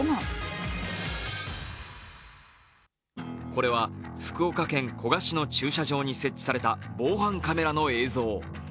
これは福岡県古賀市の駐車場に設置された防犯カメラの映像。